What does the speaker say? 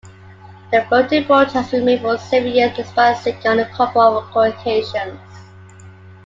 The floating boathouse remained for several years despite sinking on a couple of occasions.